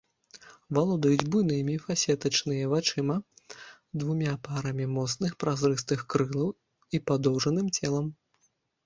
Валодаюць буйнымі фасетачныя вачыма, двума парамі моцных празрыстых крылаў і падоўжаным целам.